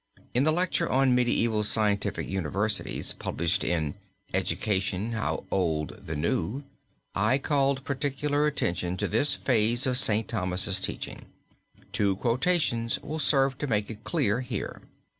In the lecture on Medieval Scientific Universities, published in "Education, How Old the New" (Fordham University Press, N. Y., 1910), I called particular attention to this phase of St. Thomas' teaching. Two quotations will serve to make it clear here.